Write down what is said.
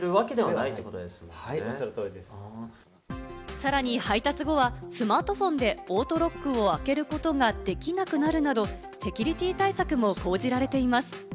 さらに配達後はスマートフォンでオートロックを開けることができなくなるなど、セキュリティ対策も講じられています。